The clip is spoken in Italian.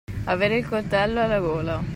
Avere il coltello alla gola.